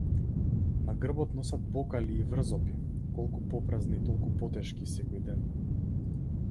На грбот носат бокали и врзопи, колку попразни толку потешки секој ден.